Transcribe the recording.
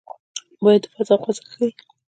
باد د فضا خوځښت ښيي